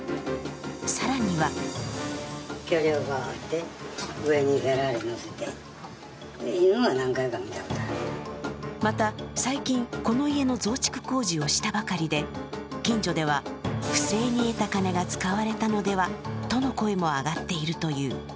更にはまた最近、この家の増築工事をしたばかりで近所では、不正に得た金が使われたのではとの声も上がっているという。